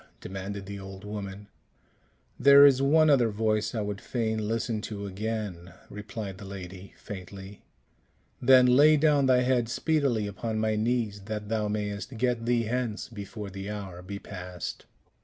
demanded the old woman. "There is one other voice I would fain listen to again," replied the lady, faintly. "Then, lay down thy head speedily upon my knees, that thou mayst get thee hence before the hour be past."